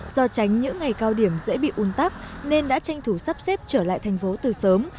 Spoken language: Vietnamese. do tránh những ngày cao điểm dễ bị un tắc nên đã tranh thủ sắp xếp trở lại thành phố từ sớm